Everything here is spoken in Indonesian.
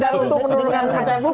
tidak untuk menurunkan kata publik bener